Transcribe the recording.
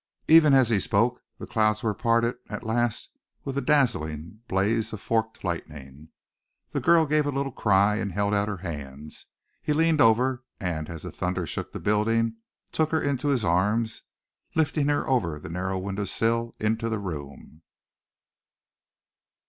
Even as he spoke, the clouds were parted at last with a dazzling blaze of forked lightning. The girl gave a little cry and held out her hands. He leaned over, and, as the thunder shook the building, took her into his arms, lifting her over the narrow window sill into the room.